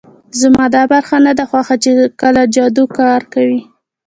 زما دا برخه نه ده خوښه چې کله جادو کار کوي